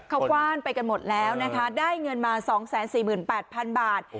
เขากว้านไปกันหมดแล้วนะคะได้เงินมา๒๔๘๐๐๐บาท